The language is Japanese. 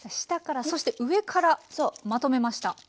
下からそして上からまとめました。